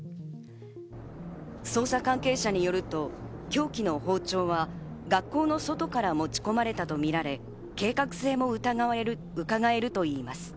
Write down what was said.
捜査関係者によると凶器の包丁は学校の外から持ち込まれたとみられ、計画性も伺えるといいます。